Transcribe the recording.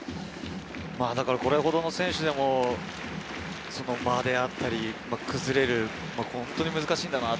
これほどの選手でも、間であったり、崩れる、ホントに難しいんだなと。